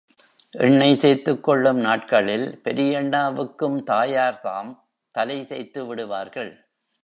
எண்ணெய் தேய்த்துக் கொள்ளும் நாட்களில் பெரியண்ணாவுக்கும் தாயார் தாம் தலை தேய்த்து விடுவார்கள்.